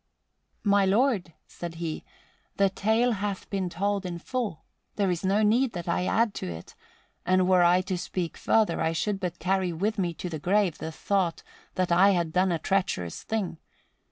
"My lord," said he, "the tale hath been told in full. There is no need that I add to it, and were I to speak further I should but carry with me to the grave the thought that I had done a treacherous thing.